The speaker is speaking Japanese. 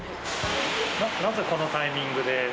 なぜこのタイミングで？